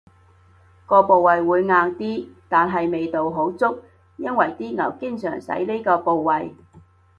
個部位會硬啲，但係味道好足，因爲啲牛經常使呢個部位